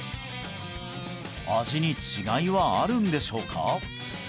味に違いはあるんでしょうか？